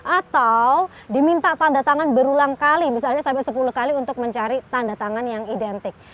atau diminta tanda tangan berulang kali misalnya sampai sepuluh kali untuk mencari tanda tangan yang identik